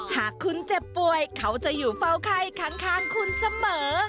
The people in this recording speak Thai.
หากคุณเจ็บป่วยเขาจะอยู่เฝ้าไข้ข้างคุณเสมอ